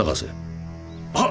はっ。